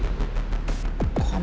putri khusus goreng